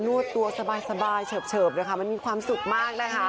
นวดตัวสบายเฉิบมันมีความสุขมากนะคะ